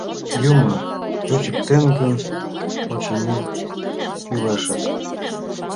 Юмо шочыктен гын, очыни, кӱлешак.